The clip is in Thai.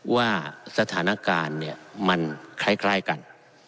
ว่าสถานการณ์มันคล้ายกัน